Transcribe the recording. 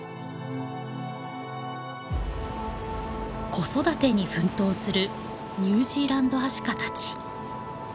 子育てに奮闘するニュージーランドアシカたち。